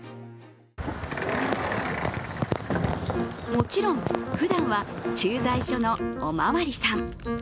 もちろん、ふだんは駐在所のお巡りさん。